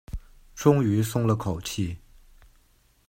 终于松了口气